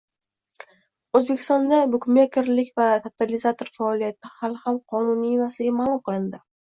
O‘zbekistonda bukmekerlik va totalizator faoliyati hali ham qonuniy emasligi ma’lum qilindi